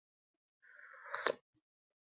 له غلطیو پاکې جملې د ښه پایلو سبب ګرځي.